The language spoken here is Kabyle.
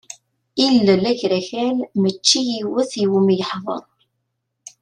Ilel Agrakal mačči yiwet iwumi yeḥḍer.